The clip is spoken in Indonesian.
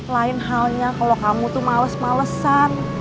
lain halnya kalau kamu tuh males malesan